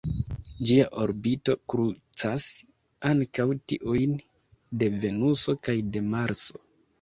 Ĝia orbito krucas ankaŭ tiujn de Venuso kaj de Marso.